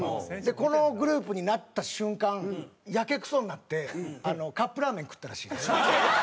このグループになった瞬間やけくそになってカップラーメン食ったらしいです。